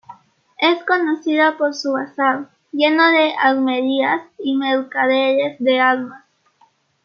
Es conocida por su bazar, lleno de armerías y mercaderes de armas.